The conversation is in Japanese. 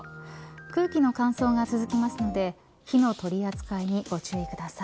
空気の乾燥が続きますので火の取り扱いにご注意ください。